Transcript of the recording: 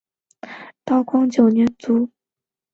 道光九年卒。